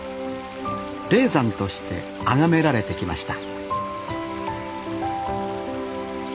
霊山としてあがめられてきました